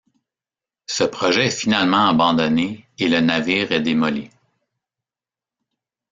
Ce projet est finalement abandonné et le navire est démoli.